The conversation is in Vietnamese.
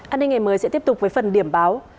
an ninh ngày mới sẽ tiếp tục với phần điểm báo